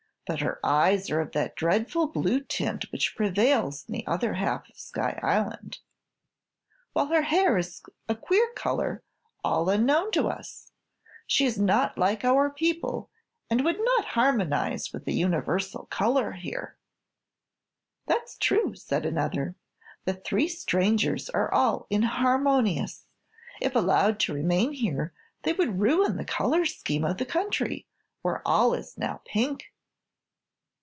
But her eyes are of that dreadful blue tint which prevails in the other half of Sky Island, while her hair is a queer color all unknown to us. She is not like our people and would not harmonize with the universal color here." "That's true," said another; "the three strangers are all inharmonious. If allowed to remain here they would ruin the color scheme of the country, where all is now pink."